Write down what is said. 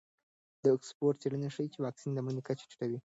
د اکسفورډ څېړنې ښیي چې واکسین د مړینې کچه ټیټوي.